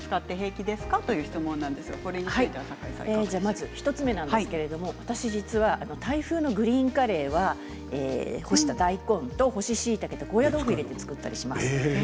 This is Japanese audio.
まず１つ目私、実はタイ風のグリーンカレーは干した大根と干ししいたけと高野豆腐を入れて作ります